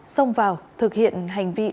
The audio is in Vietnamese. xông vào thực hiện hành vi